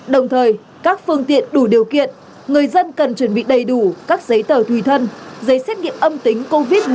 đồng thời các phương tiện đủ điều kiện người dân cần chuẩn bị đầy đủ các giấy tờ thùy thân giấy xét nghiệm âm tính covid một mươi chín